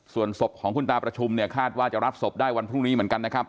ส่วนศพของคุณตาประชุมเนี่ยคาดว่าจะรับศพได้วันพรุ่งนี้เหมือนกันนะครับ